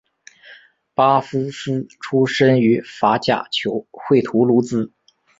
巴夫斯出身于法甲球会图卢兹。